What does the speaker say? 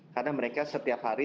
karena mereka setiap hari